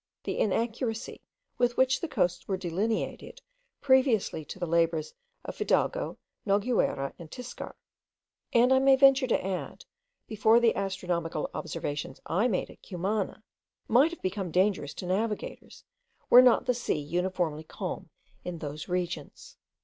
The inaccuracy with which the coasts were delineated previously to the labours of Fidalgo, Noguera, and Tiscar, and I may venture to add, before the astronomical observations I made at Cumana, might have become dangerous to navigators, were not the sea uniformly calm in those regions.